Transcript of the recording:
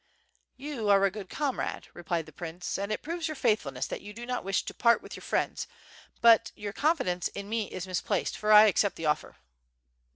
"You are a good comrade," replied the prince, "and it proves your faithfulness that you do not wish to part with your friends, but your confidence in me is misplaced, for 1 accept the offer."